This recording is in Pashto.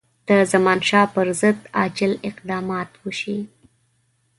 د زمانشاه پر ضد عاجل اقدام وشي.